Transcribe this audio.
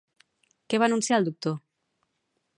Què va anunciar el doctor?